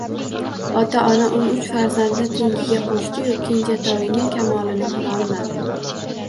Ota-ona o`n uch farzandni tengiga qo`shdi-yu, kenjatoyining kamolini ko`rolmadi